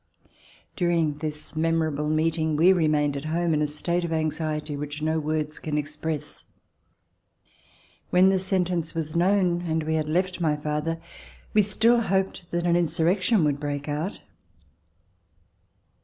During this memorable meeting, we remained at home in a state of anxiety which no words can express. When the sentence was known and we had left my father, we still hoped that an insurrection would break out.